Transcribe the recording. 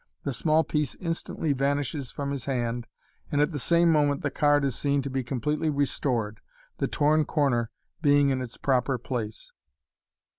The small piece instantly vanishes from his hand, and at the same moment the card is seen to be completely restored, the torn corner being in its proper place.